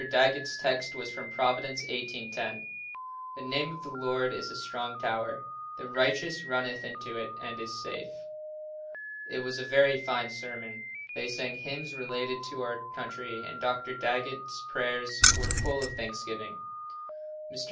Daggett's text was from Prov. 18: 10: "The name of the Lord is a strong tower; the righteous runneth into it, and is safe." It was a very fine sermon. They sang hymns relating to our country and Dr. Daggett's prayers were full of thanksgiving. Mr.